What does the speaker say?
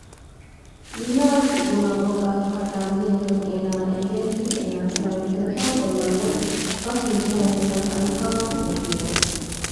ލީންއަކީ ބުނާ ބަހުގައި ހިފަހައްޓާ މީހެއްކަން އޭނާއަށް އެނގޭތީ އޭނާ ކައިވެނި ކެންސަލްކޮށްލަންވެސް ފަސްނުޖެހޭނެކަން އައިކާއަށް ޔަޤީންވެ